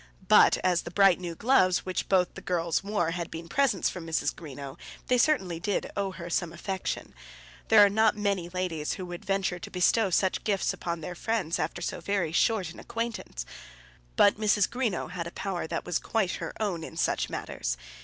But as the bright new gloves which both the girls wore had been presents from Mrs. Greenow, they certainly did owe her some affection. There are not many ladies who would venture to bestow such gifts upon their friends after so very short an acquaintance; but Mrs. Greenow had a power that was quite her own in such matters.